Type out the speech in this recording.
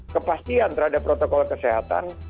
kepastian terhadap protokol kesehatan